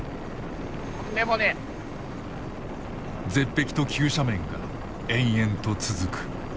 絶壁と急斜面が延々と続く。